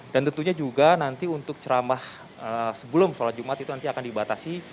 dan tentunya juga nanti untuk ceramah sebelum sholat jumat itu nanti akan dibatasi